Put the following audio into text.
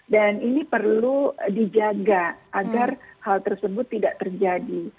dan ini perlu dijaga agar hal tersebut tidak terjadi